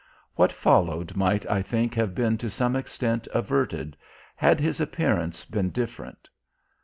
What followed might I think have been to some extent averted had his appearance been different.